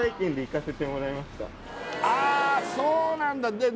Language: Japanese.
あっそうなんだ